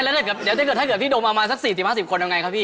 ไม่ใช่แล้วถ้าเกิดพี่ดมเอามาสัก๔๐๕๐คนยังไงครับพี่